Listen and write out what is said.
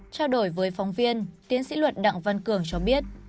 trao đổi với phóng viên tiến sĩ luật đặng văn cường cho biết